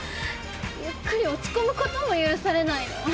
ゆっくり落ち込むことも許されないの？